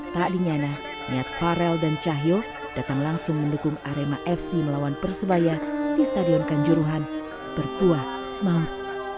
tak dinyana niat farel dan cahyo datang langsung mendukung arema fc melawan persebaya di stadion kanjuruhan berbuah maut